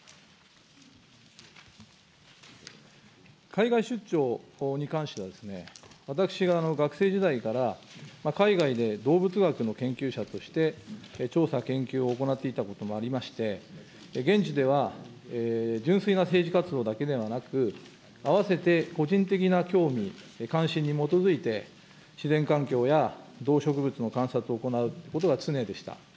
海外出張に関しては、私が学生時代から海外で動物学の研究者として、調査研究を行っていたこともありまして、現地では、純粋な政治活動だけではなく、あわせて個人的な興味、関心に基づいて自然環境や動植物の観察を行うことは常でした。